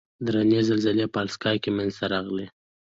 درنې زلزلې په الاسکا کې منځته راغلې.